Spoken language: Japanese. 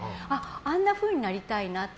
あんなふうになりたいなって。